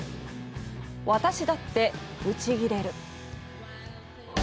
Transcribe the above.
私だって、ブチ切れる。